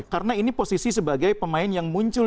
karena ini posisi sebagai pemain yang muncul